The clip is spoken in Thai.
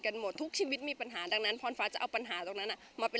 หมดทุกชีวิตมีปัญหาดังนั้นพรฟ้าจะเอาปัญหาตรงนั้นมาเป็น